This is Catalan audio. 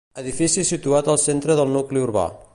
Edifici situat al centre del nucli urbà.